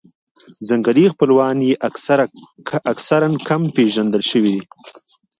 ځنګلي خپلوان یې اکثراً کم پېژندل شوي دي.